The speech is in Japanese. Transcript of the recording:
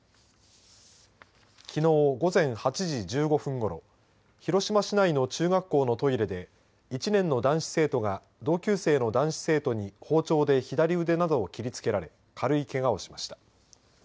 きのう午前８時１５分ごろ広島市内の中学校のトイレで１年の男子生徒が同級生の男子生徒に包丁で左腕などを切りつけられ軽いけがをしました。